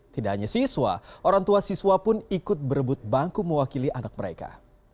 tidak hanya siswa orang tua siswa pun ikut berebut bangku mewakili anak mereka